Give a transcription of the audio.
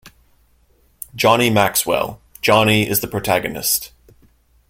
Johnny Maxwell - Johnny is the protagonist.